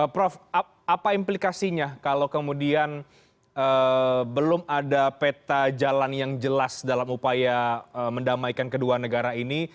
prof apa implikasinya kalau kemudian belum ada peta jalan yang jelas dalam upaya mendamaikan kedua negara ini